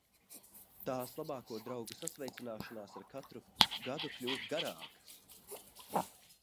Tās labāko draugu sasveicināšanās ar katru gadu kļūst garākas!